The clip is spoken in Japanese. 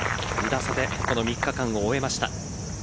２打差でこの３日間を終えました。